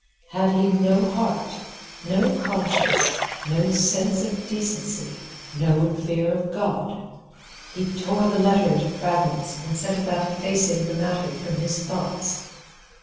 —had he no heart, no conscience, no sense of decency, no fear of God? He tore the letter into fragments and set about effacing the matter from his thoughts.